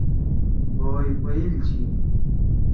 بھوئی پَیل چھی۔